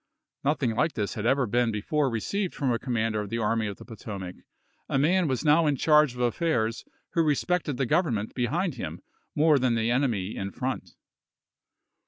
Nothing like this had ever before been received from a commander of the Ai my of the Potomac ; a man was now in charge of affairs who respected the Government behind him more than the enemy in front.